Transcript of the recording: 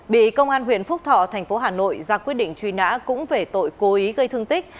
bị công an huyện phúc thọ thành phố hà nội ra quyết định truy nã cũng về tội cố ý gây thương tích